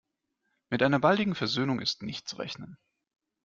Mit einer baldigen Versöhnung ist nicht zu rechnen.